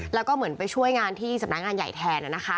แล้วก็เหมือนไปช่วยงานที่สำนักงานใหญ่แทน